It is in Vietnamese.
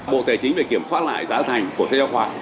bộ tài chính về kiểm soát lại giá thành của sách giáo khoa